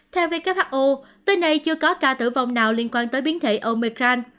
theo who tới nay chưa có ca tử vong nào liên quan tới biến thể omecran